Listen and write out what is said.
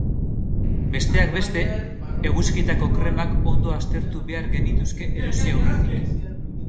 Besteak beste, eguzkitako kremak ondo aztertu behar genituzke erosi aurretik.